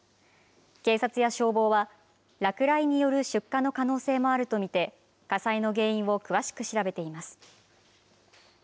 警察や消防は、落雷による出火の可能性もあると見て、火災の原因を詳しく調べています。